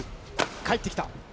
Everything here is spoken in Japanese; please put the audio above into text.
返ってきた。